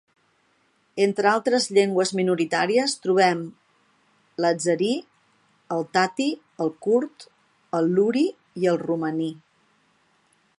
Entre altres llengües minoritàries trobem l'àzeri, el tati, el kurd, el luri i el romaní.